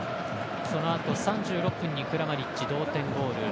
そのあと３６分にクラマリッチ、同点ゴール。